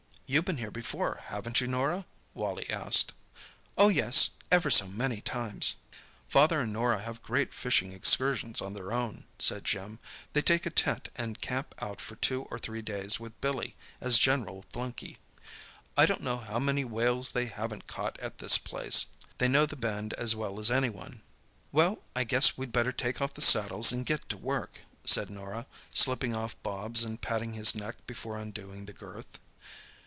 "You've been here before, haven't you, Norah?" Wally asked. "Oh, yes; ever so many times." "Father and Norah have great fishing excursions on their own," said Jim. "They take a tent and camp out for two or three days with Billy as general flunkey. I don't know how many whales they haven't caught at this place. They know the Bend as well as any one." "Well, I guess we'd better take off the saddles and get to work," said Norah, slipping off Bobs and patting his neck before undoing the girth.